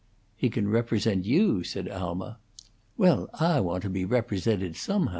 "He can represent you," said Alma. "Well, Ah want to be represented, someho'."